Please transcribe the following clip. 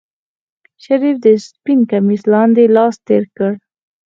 شريف د سپين کميس لاندې لاس تېر کړ.